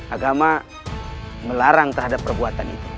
agama melarang terhadap perbuatan itu